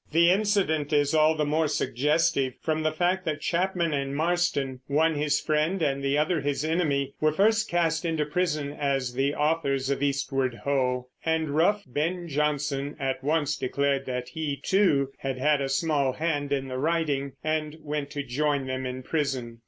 The incident is all the more suggestive from the fact that Chapman and Marston, one his friend and the other his enemy, were first cast into prison as the authors of Eastward Ho! and rough Ben Jonson at once declared that he too had had a small hand in the writing and went to join them in prison.